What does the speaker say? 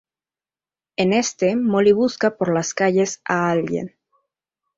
En este Molly busca por las calles a alguien.